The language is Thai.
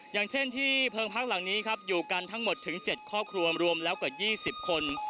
อย่างเช่นที่เพิงพักหลังนี้ครับอยู่กันทั้งหมดถึง๗ครอบครัวรวมแล้วกว่า๒๐คน